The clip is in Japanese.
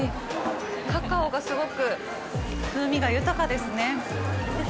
カカオが、すごく風味が豊かですね。